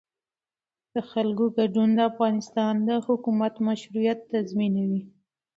د خلکو ګډون د افغانستان د حکومت مشروعیت تضمینوي